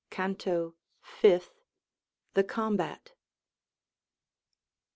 CANTO FIFTH. The Combat.